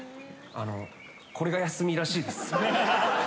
これが休みらしいです。